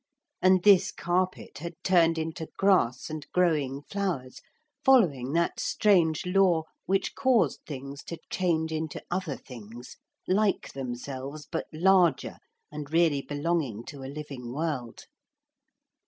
And this carpet had turned into grass and growing flowers, following that strange law which caused things to change into other things, like themselves, but larger and really belonging to a living world.